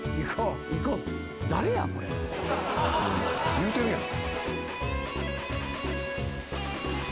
言うてるやん。